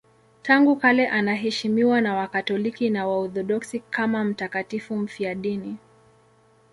Tangu kale anaheshimiwa na Wakatoliki na Waorthodoksi kama mtakatifu mfiadini.